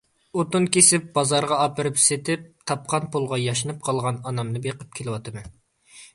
ئوتۇن كېسىپ بازارغا ئاپىرىپ سېتىپ، تاپقان پۇلغا ياشىنىپ قالغان ئانامنى بېقىپ كېلىۋاتىمەن.